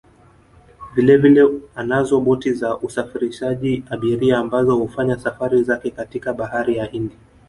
Vilevile anazo boti za usafirishaji abiria ambazo hufanya safari zake katika Bahari ya Hindi